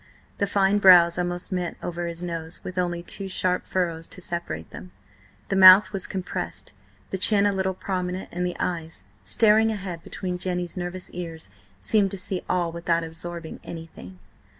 The fine brows almost met over his nose with only two sharp furrows to separate them; the mouth was compressed, the chin a little prominent, and the eyes, staring ahead between Jenny's nervous ears, seemed to see all without absorbing anything.